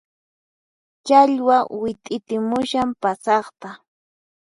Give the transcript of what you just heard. Challwa wit'itimushan pasaqta